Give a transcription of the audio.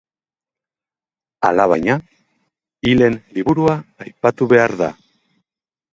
Alabaina, Hilen Liburua aipatu behar da.